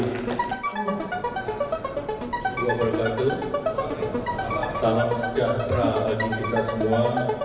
saya berkata salam sejahtera bagi kita semua